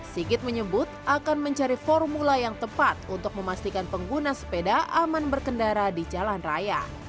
sigit menyebut akan mencari formula yang tepat untuk memastikan pengguna sepeda aman berkendara di jalan raya